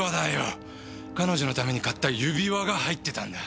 彼女のために買った指輪が入ってたんだ。